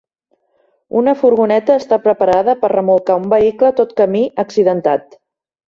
Una furgoneta està preparada per remolcar un vehicle tot camí accidentat.